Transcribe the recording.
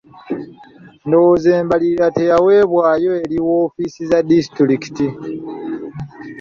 Ndowooza embalirira teyaweebwayo eri woofiisi za disitulikiti.